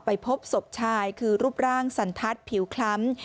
พบศพชายคือรูปร่างสันทัศน์ผิวคล้ำ